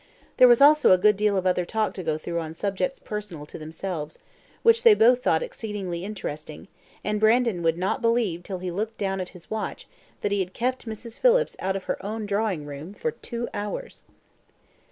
There was also a good deal of other talk to go through on subjects personal to themselves, which they both thought exceedingly interesting, and Brandon would not believe till he looked at his watch that he had kept Mrs. Phillips out of her own drawing room for two hours.